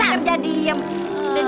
kerja diem kan